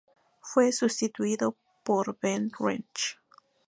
Fue sustituido por Ben Rich.